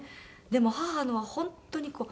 でも母のは本当にこう。